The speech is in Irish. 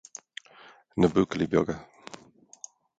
Na buachaillí beaga